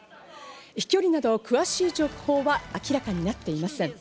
飛距離など詳しい情報は明らかになっていません。